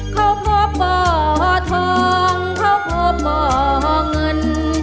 เขาพบบ่อทองเขาพบบ่อเงิน